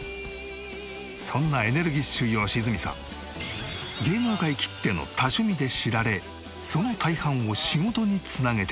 そんなエネルギッシュ良純さん芸能界きっての多趣味で知られその大半を仕事に繋げている。